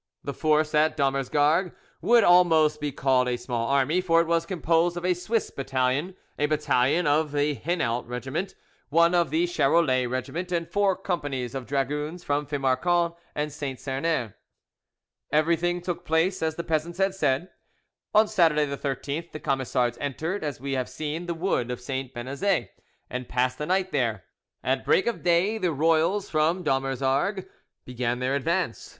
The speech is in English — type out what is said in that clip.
The force at Dommersargues might almost be called a small army; for it was composed of a Swiss battalion, a battalion of the Hainault regiment, one from the Charolais regiment, and four companies of dragoons from Fimarcon and Saint Sernin. Everything took place as the peasants had said: on Saturday the 13th, the Camisards entered, as we have seen, the wood of St. Benazet, and passed the night there. At break of day the royals from Dommersargues began their advance.